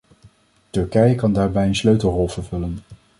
Turkije kan daarbij een sleutelrol vervullen.